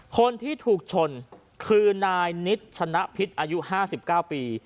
คนที่ถูกชนคือนายนิดชนะพิษอายุ๕๙ปี